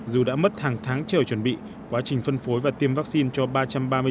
dù đã mất hàng tháng chờ chuẩn bị quá trình phân phối và tiêm vaccine